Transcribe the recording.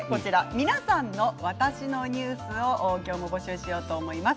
皆さんの「わたしのニュース」を今日も募集しようと思います。